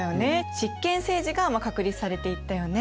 執権政治が確立されていったよね。